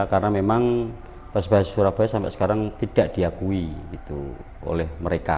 karena memang persebaya surabaya sampai sekarang tidak diakui oleh mereka